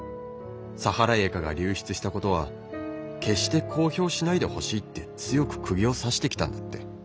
サハライエカが流出したことは決して公表しないでほしいって強くくぎを刺してきたんだって。